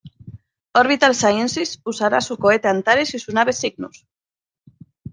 Orbital Sciences usará su cohete Antares y su nave Cygnus.